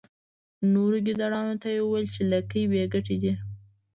نورو ګیدړانو ته یې وویل چې لکۍ بې ګټې دي.